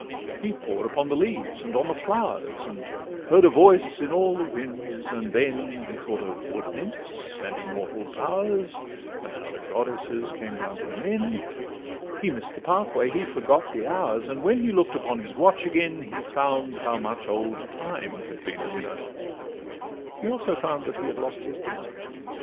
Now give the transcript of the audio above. He pored upon the leaves, and on the flowers, And heard a voice in all the winds; and then He thought of wood nymphs and immortal bowers, And how the goddesses came down to men: He miss'd the pathway, he forgot the hours, And when he look'd upon his watch again, He found how much old Time had been a winner— He also found that he had lost his dinner.